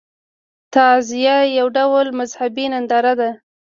تعزیه یو ډول مذهبي ننداره ده.